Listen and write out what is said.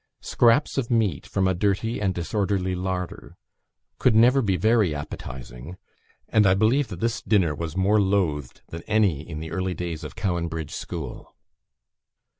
Scraps of meat from a dirty and disorderly larder, could never be very appetizing; and, I believe, that this dinner was more loathed than any in the early days of Cowan Bridge School.